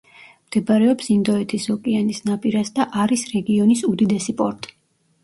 მდებარეობს ინდოეთის ოკეანის ნაპირას და არის რეგიონის უდიდესი პორტი.